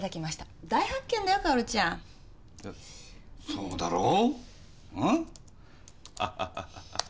そうだろう？